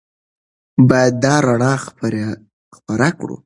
باید دا رڼا خپره کړو.